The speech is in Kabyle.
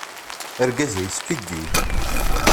Argaz-a yeskiddib.